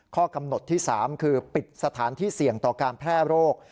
ข้อกำหนดที่๓คือปิดสถานที่เสี่ยงต่อการแพร่โรค